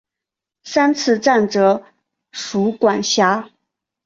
三次站则属管辖。